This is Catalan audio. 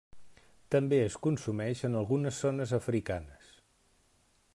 També es consumeix en algunes zones africanes.